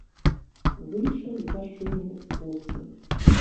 Выйшаў з-за шырмы босы.